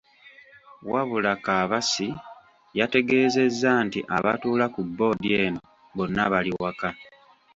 Wabula Kabatsi yategeezezza nti abatuula ku bboodi eno bonna bali waka.